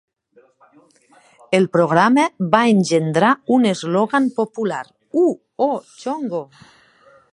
El programa va engendrar un eslògan popular: "Uh-oh, Chongo!".